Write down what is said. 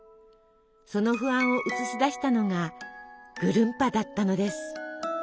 その不安を映し出したのがぐるんぱだったのです。